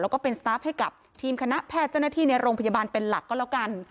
แล้วก็เป็นสตาร์ฟให้กับทีมคณะแพทย์เจ้าหน้าที่ในโรงพยาบาลเป็นหลักก็แล้วกัน